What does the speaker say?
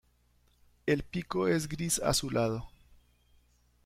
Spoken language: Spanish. El pico es gris azulado.